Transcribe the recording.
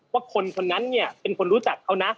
ว่าคนคนนั้นเนี่ยเป็นคนรู้จักเขานะ